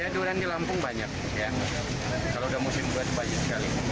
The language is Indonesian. di lampung banyak ya kalau udah musim gua banyak sekali